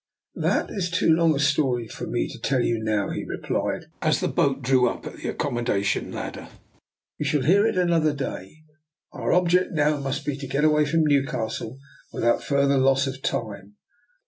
"" That is too long a story for me to tell you now," he replied, as the boat drew up at the accommodation ladder. " You shall hear it another day. Our object now must be to get away from Newcastle without further loss of time."